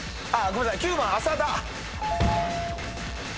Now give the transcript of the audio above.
９番浅田。